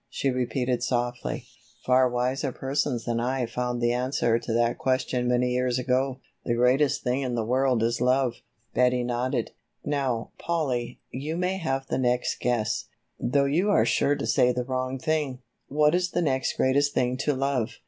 she repeated softly. "Far wiser persons than I found the answer to that question many years ago. The greatest thing in the world is love." Betty nodded. "Now, Polly, you may have the next guess, though you are sure to say the wrong thing. What is the next greatest thing to love?"